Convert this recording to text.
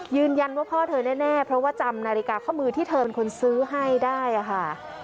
พ่อเธอแน่เพราะว่าจำนาฬิกาข้อมือที่เธอเป็นคนซื้อให้ได้ค่ะ